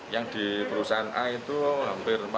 yang di perusahaan a itu hampir empat puluh tujuh